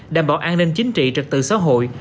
đảm bảo an ninh chính trị trật tự xã hội